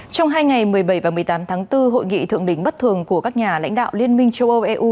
trong hai ngày một mươi bảy và một mươi tám tháng bốn hội nghị thượng đỉnh bất thường của các nhà lãnh đạo liên minh châu âu eu